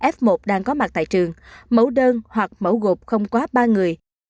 f một đang có mặt tại trường mẫu đơn hoặc mẫu gộp không quá ba người